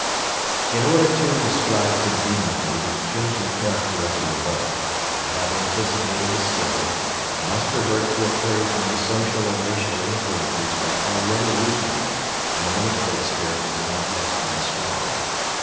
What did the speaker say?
In order to describe conveniently the changing character of the revolt, I have anticipated the story and must revert to a period when the social and racial influences were already weakening and the military spirit was not yet grown strong.